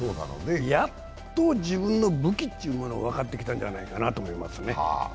やっと自分の武器というものを分かってきたんだと思いますね。